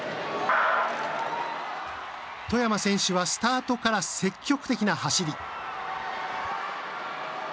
外山選手はスタートから積極的な走り。